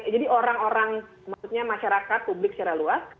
jadi orang orang maksudnya masyarakat publik secara luas